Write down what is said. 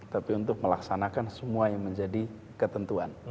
tapi untuk melaksanakan semua yang menjadi ketentuan